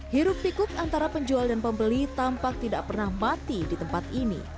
hirup tikuk antara penjual dan pembeli tampak tidak pernah mati di tempat ini